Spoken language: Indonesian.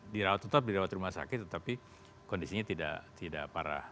di rawat tetap di rawat rumah sakit tapi kondisinya tidak parah